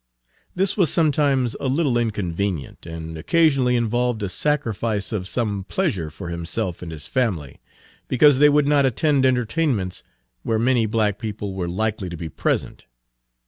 This was sometimes a little inconvenient, and occasionally involved a sacrifice of some pleasure for himself and his family, because they would not attend entertainments where many black people were likely to be present.